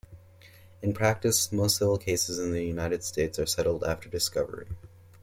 In practice, most civil cases in the United States are settled after discovery.